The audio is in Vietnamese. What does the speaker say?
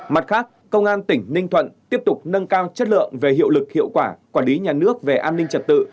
mặt khác công an tỉnh ninh thuận tiếp tục nâng cao chất lượng về hiệu lực hiệu quả quản lý nhà nước về an ninh trật tự